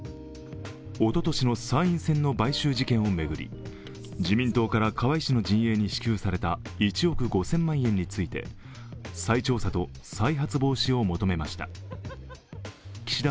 おととしの参院選の買収事件を巡り、自民党から河井氏の陣営に支給された１億５０００万円について再調査と再発防止を求めました。